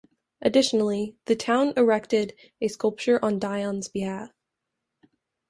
Additionally, the town erected a sculpture on Dion's behalf.